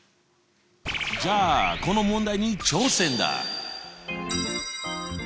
じゃあこの問題に挑戦だ！